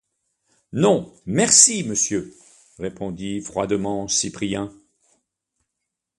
Non, merci, monsieur! répondit froidement Cyprien.